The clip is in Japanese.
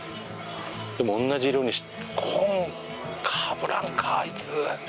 でも同じ色に紺かぶらんかあいつ。